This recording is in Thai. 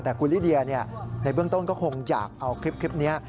แต่คุณลิเดียในเบื้องต้นก็คงอยากเอาคลิปนี้